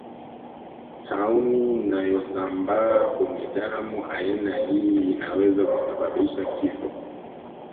Tauni nayosambaa kwenye damu aina hii inaweza kusababisha kifo